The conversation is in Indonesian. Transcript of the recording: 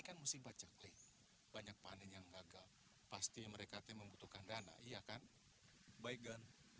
kan musim bacakli banyak panen yang gagal pasti mereka tim membutuhkan dana iya kan baik gan